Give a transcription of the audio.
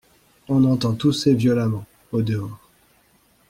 On entend tousser violemment, au-dehors.